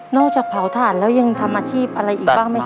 จากเผาถ่านแล้วยังทำอาชีพอะไรอีกบ้างไหมค